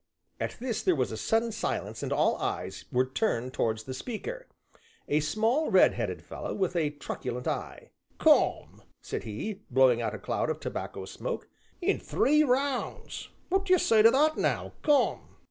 At this there was a sudden silence and all eyes were turned towards the speaker, a small, red headed fellow, with a truculent eye. "Come," said he, blowing out a cloud of tobacco smoke, "in three rounds! What d'ye say to that now, come?"